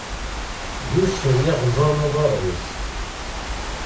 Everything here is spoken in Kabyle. D uccen iɣeẓẓan aḍar-is.